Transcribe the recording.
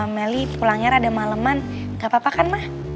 meli pulangnya ada maleman gak papa kan ma